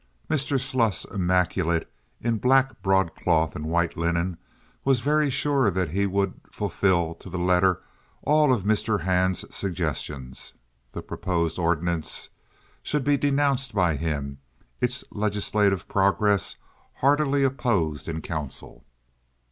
Mr. Sluss, immaculate in black broadcloth and white linen, was very sure that he would fulfil to the letter all of Mr. Hand's suggestions. The proposed ordinance should be denounced by him; its legislative progress heartily opposed in council.